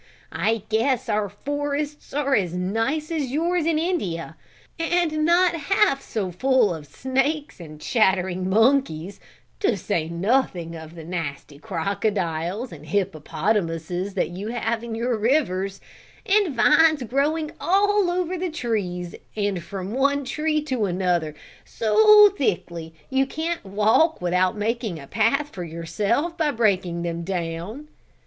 I guess our forests are as nice as yours in India, and not half so full of snakes and chattering monkeys, to say nothing of the nasty crocodiles and hippopotamuses that you have in your rivers; and vines growing all over the trees and from one tree to another, so thickly you can't walk without making a path for yourself by breaking them down."